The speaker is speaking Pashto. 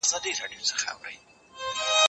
زه پرون مېوې وچولې؟